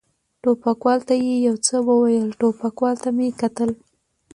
ټوپکوال ته یې یو څه وویل، ټوپکوال ته مې کتل.